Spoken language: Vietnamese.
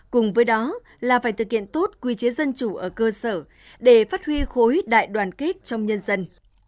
cùng với đó là phải thực hiện tốt quy chế dân chủ ở cơ sở để phát huy khối đại đoàn kết trong nhân dân